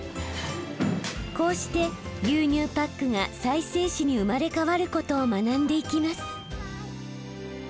こうして牛乳パックが再生紙に生まれ変わることを学んでいきます。